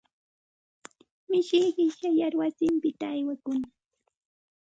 Mishi qishyayar wasinpita aywakun.